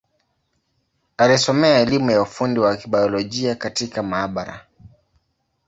Alisomea elimu ya ufundi wa Kibiolojia katika maabara.